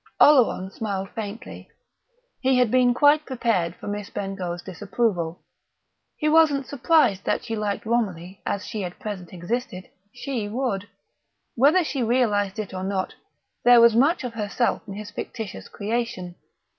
Oleron smiled faintly. He had been quite prepared for Miss Bengough's disapproval. He wasn't surprised that she liked Romilly as she at present existed; she would. Whether she realised it or not, there was much of herself in his fictitious creation.